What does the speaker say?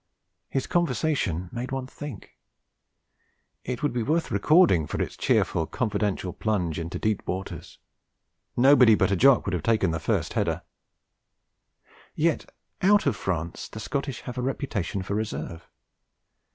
His conversation made one think. It would be worth recording for its cheery, confidential plunge into deep waters; nobody but a Jock would have taken the first header. Yet, out of France, the Scottish have a reputation for reserve!